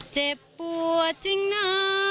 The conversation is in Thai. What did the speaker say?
เจ็บปวดจริงนะ